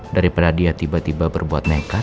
daripada dia tiba tiba berbuat nekat